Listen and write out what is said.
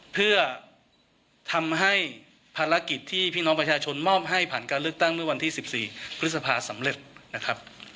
เพื่อทำให้ภารกิจที่พี่น้องประชาชนมอบให้ผ่านการเลือกตั้งเมื่อวันที่๑๔พฤษภาสำเร็จนะครับ